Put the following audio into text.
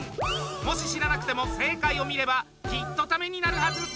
もし知らなくても正解を見ればきっとタメになるはず。